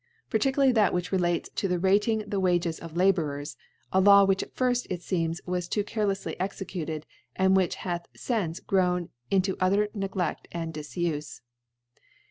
Pan ticularly as to that which relates to the rat hf!g the Wages of Labourers ; a Law which ^t firft, it feems, was too carelefsly executed; and which hath fince grown iota utter Neg^ kft and Difufe.